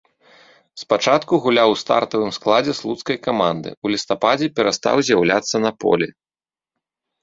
Спачатку гуляў у стартавым складзе слуцкай каманды, у лістападзе перастаў з'яўляцца на полі.